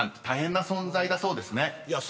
大変な存在だそうですね］